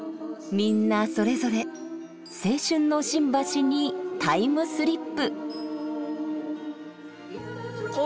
みんなそれぞれ青春の新橋にタイムスリップ。